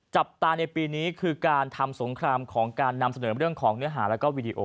จับตาในปีนี้คือการทำสงครามของการนำเสนอเรื่องของเนื้อหาแล้วก็วีดีโอ